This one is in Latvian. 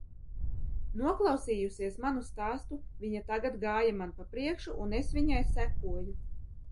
Noklausījusies manu stāstu, viņa tagad gāja man pa priekšu un es viņai sekoju.